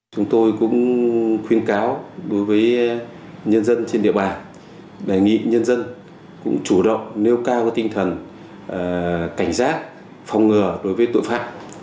chúng tôi cũng khuyến cáo đối với nhân dân trên địa bàn đề nghị nhân dân cũng chủ động nêu cao tinh thần cảnh giác phòng ngừa đối với tội phạm